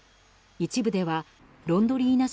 一部ではロンドリーナ